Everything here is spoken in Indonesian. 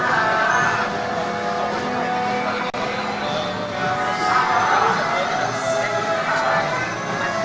kita akan menikmati